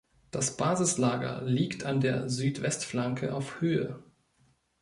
Das Basislager liegt an der Südwestflanke auf Höhe.